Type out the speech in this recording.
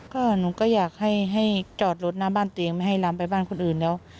ก็หนูก็อยากให้จอดรถหน้าบ้านตัวเองไม่ให้ล้ำไปบ้านคนอื่นแล้ว